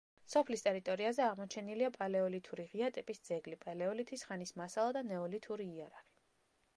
სოფლის ტერიტორიაზე აღმოჩენილია პალეოლითური ღია ტიპის ძეგლი, პალეოლითის ხანის მასალა და ნეოლითური იარაღი.